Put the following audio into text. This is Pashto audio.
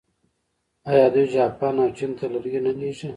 آیا دوی جاپان او چین ته لرګي نه لیږي؟